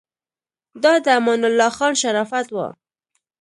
دا د امان الله خان شرافت و.